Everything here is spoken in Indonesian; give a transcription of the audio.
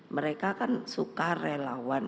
mereka kan suka relawan